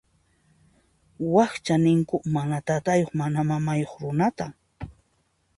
Wakcha ninku mana taytayuq mana mamayuq runata.